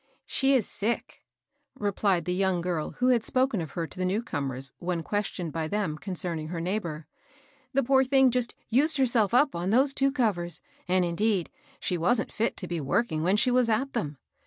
" She is sick," replied the young girl who had spoken of her to the new comers, when questioned by them concerning her neighbor. " The poor thing just used herself up on those two covers ; and, indeed, she wasn't fit to be working when she was at them.